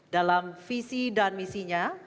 dalam visi dan misinya